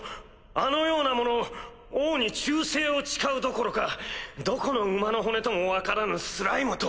あのような者王に忠誠を誓うどころかどこの馬の骨とも分からぬスライムと。